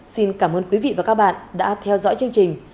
xin cảm ơn quý vị và các bạn đã theo dõi chương trình